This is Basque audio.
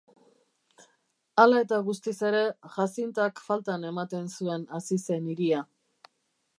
Hala eta guztiz ere Jacintak faltan ematen zuen hazi zen hiria.